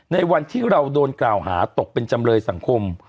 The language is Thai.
ในวันที่เราโดนกล่าวหาตกเป็นจำเลยสังคม